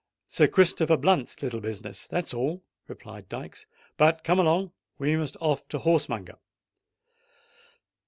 "Sir Christopher Blunt's little business—that's all," replied Dykes. "But come along: we must be off to Horsemonger."